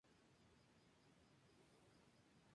Ha vivido en Londres muchos años de su vida.